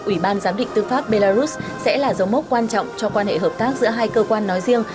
ủy ban giám định tư pháp belarus sẽ là dấu mốc quan trọng cho quan hệ hợp tác giữa hai cơ quan nói riêng